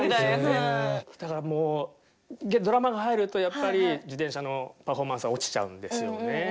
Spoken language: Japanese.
だからもうドラマが入るとやっぱり自転車のパフォーマンスは落ちちゃうんですよね。